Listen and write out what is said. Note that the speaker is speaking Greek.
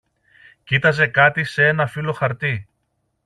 Κοίταζε κάτι σε ένα φύλλο χαρτί